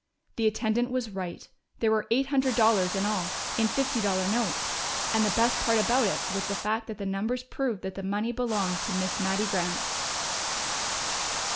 The attendant was right! There were eight hundred dollars in all, in fifty dollar notes. And the best part about it was the fact that the numbers proved that the money belonged to Miss Mattie Grant!